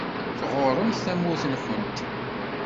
Tɣuṛṛemt tamurt-nkent.